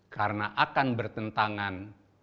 karena akan bertentangan